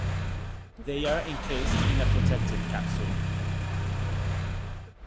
They are encased in a protective capsule.